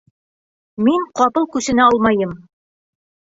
Мин ҡапыл күсенә алмайым!